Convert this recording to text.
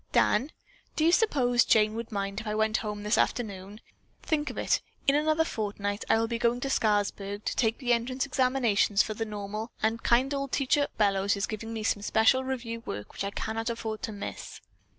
"Dan, do you suppose Jane would mind if I went home this afternoon? Think of it, in another fortnight I will be going to Scarsburg to take the entrance examinations for the normal, and kind old Teacher Bellows is giving me some special review work which I cannot afford to miss."